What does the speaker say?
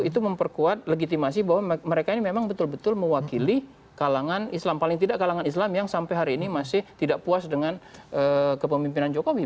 itu memperkuat legitimasi bahwa mereka ini memang betul betul mewakili kalangan islam paling tidak kalangan islam yang sampai hari ini masih tidak puas dengan kepemimpinan jokowi